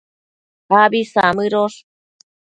Abi samëdosh